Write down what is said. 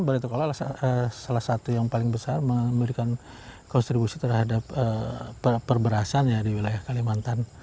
baritokola salah satu yang paling besar memberikan kontribusi terhadap perberasan di wilayah kalimantan